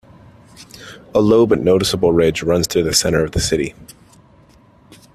A low but noticeable ridge runs through the center of the city.